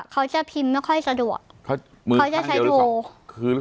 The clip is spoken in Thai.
เขาจะพิมพ์ไม่ค่อยสะดวกเขาจะใช้โทรมือข้างเดียวหรือสอง